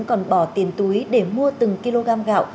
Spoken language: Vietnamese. còn bỏ tiền túi để mua từng kg gạo